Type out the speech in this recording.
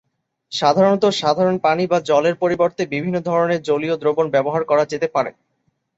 সাধারণত, সাধারণ পানি বা জলের পরিবর্তে বিভিন্ন ধরনের জলীয় দ্রবণ ব্যবহার করা যেতে পারে।